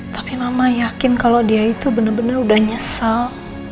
tapi mama yakin kalo dia itu bener bener udah nyesel